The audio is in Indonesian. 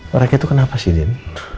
mereka itu kenapa sih din